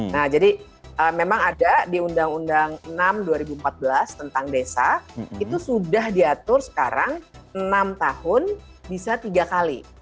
nah jadi memang ada di undang undang enam dua ribu empat belas tentang desa itu sudah diatur sekarang enam tahun bisa tiga kali